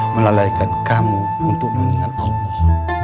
melalaikan kamu untuk mengingat allah